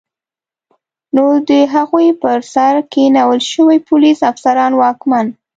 نو د هغوی پر سر کینول شوي پولیس، افسران، واکمن